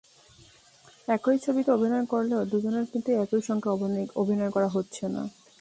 একই ছবিতে অভিনয় করলেও দুজনের কিন্তু একই সঙ্গে অভিনয় করা হচ্ছে না।